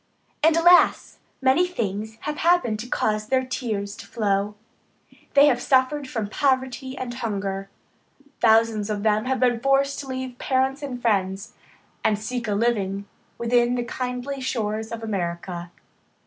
And, alas! many things have happened to cause their tears to flow. They have suffered from poverty and hunger. Thousands of them have been forced to leave parents and friends, and seek a living within the kindly shores of America.